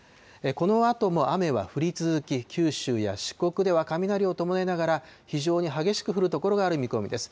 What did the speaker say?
このあとも雨は降り続き、九州や四国では雷を伴いながら、非常に激しく降る所がある見込みです。